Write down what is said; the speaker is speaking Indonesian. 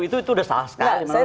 itu sudah salah sekali menurut saya